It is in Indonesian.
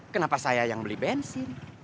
kenapa saya yang beli bensin